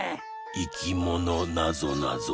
「いきものなぞなぞ」